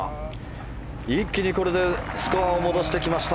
一気にこれでスコアを伸ばしてきました。